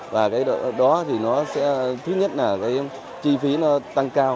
và thứ nhất là chi phí nó tăng cao